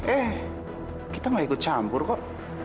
eh kita gak ikut campur kok